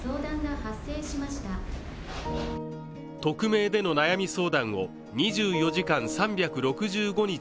匿名での悩み相談を２４時間３６５日